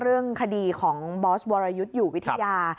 เรื่องคดีของบอสวรยุทธ์อยู่วิทยา